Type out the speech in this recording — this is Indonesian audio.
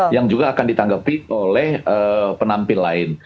yang juga akan ditanggapi oleh penampil lain